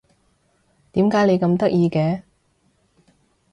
點解你咁得意嘅？